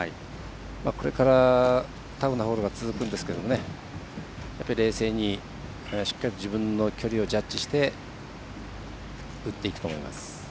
これから、タフなホールが続くんですけど冷静にしっかりと自分の距離をジャッジして打っていくと思います。